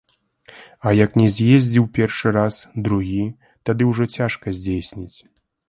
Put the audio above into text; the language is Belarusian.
А як не з'ездзіў першы раз, другі, тады ўжо цяжка здзейсніць.